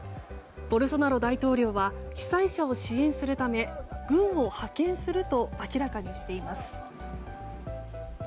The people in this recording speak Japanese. ボルソナロ大統領は被災者を支援するため軍を派遣すると明らかにしています。